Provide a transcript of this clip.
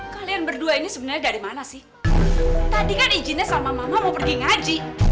kalian berdua ini sebenarnya dari mana sih tadi kan izinnya sama mama mau pergi ngaji